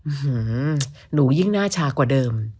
หือหือหนูยิ่งหน้าชากว่าเดิม